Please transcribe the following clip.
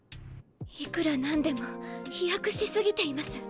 いくら何でも飛躍し過ぎています。